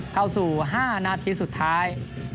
เข้าสู่๕นาทีสุดท้าย